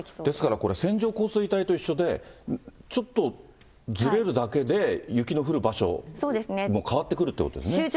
ですから、線状降水帯と一緒で、ちょっとずれるだけで、雪の降る場所も変わってくるということですね。